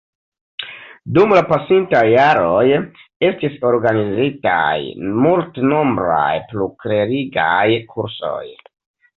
Dum la pasintaj jaroj estis organizitaj multnombraj pluklerigaj kursoj.